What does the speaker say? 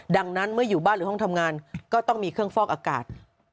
ดังนั้นเมื่ออยู่บ้านหรือห้องทำงานก็ต้องมีเครื่องฟอกอากาศ